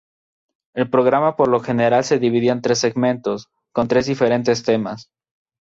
El programa por lo general se dividía en tres segmentos, con tres diferentes temas.